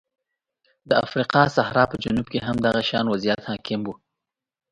د افریقا صحرا په جنوب کې هم دغه شان وضعیت حاکم و.